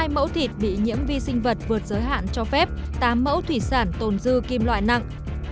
một mươi mẫu thịt bị nhiễm vi sinh vật vượt giới hạn cho phép tám mẫu thủy sản tồn dư kim loại nặng